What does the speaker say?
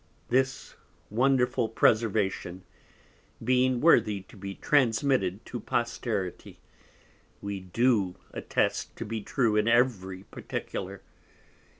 This wonderful Preservation being worthy to be transmitted to Posterity, we do attest to be true in every Particular.